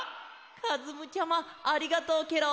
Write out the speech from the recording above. かずむちゃまありがとうケロ！